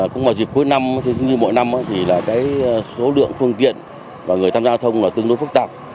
cũng vào dịp cuối năm cũng như mỗi năm thì là cái số lượng phương tiện và người tham gia giao thông là tương đối phức tạp